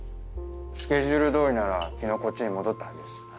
スケジュールどおりなら昨日こっちに戻ったはずです。